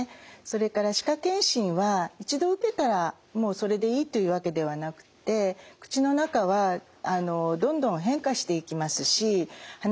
それから歯科健診は一度受けたらもうそれでいいというわけではなくて口の中はどんどん変化していきますし歯並びだとかそれから磨き方の状態